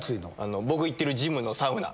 僕行ってるジムのサウナ。